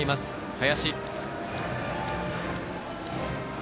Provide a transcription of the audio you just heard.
林。